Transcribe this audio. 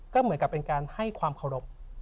ก็เหมือนกับเป็นการให้ความเคารพ